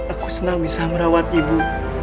aku senang bisa merawat ibu